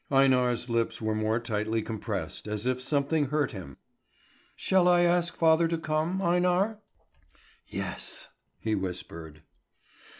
Einar's lips were more tightly compressed, as if something hurt him. "Shall I ask father to come, Einar?" "Yes," he whispered.